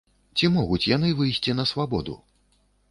Ці могуць яны выйсці на свабоду?